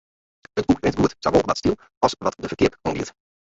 It boek rint goed, sawol wat styl as wat de ferkeap oangiet.